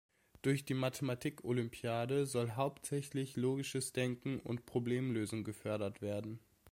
Durch die Mathematik-Olympiade soll hauptsächlich logisches Denken und Problemlösen gefördert werden.